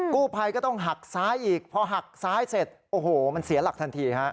กู้ภัยก็ต้องหักซ้ายอีกพอหักซ้ายเสร็จโอ้โหมันเสียหลักทันทีฮะ